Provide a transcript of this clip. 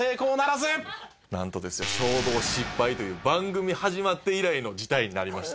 なんとですよ衝動失敗という番組始まって以来の事態になりました。